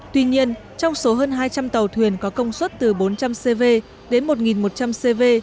tuy nhiên trong số hơn hai trăm linh tàu thuyền có công suất từ bốn trăm linh cv đến một một trăm linh cv